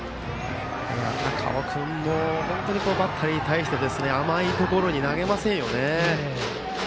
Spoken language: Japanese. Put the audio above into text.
高尾君も本当にバッターに対して甘いところに投げませんよ。